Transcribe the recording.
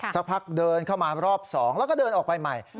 สักพักเดินเข้ามารอบ๒แล้วก็เดินออกไปใหม่